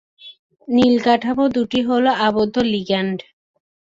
নীল কাঠামো দুটি হল আবদ্ধ লিগ্যান্ড।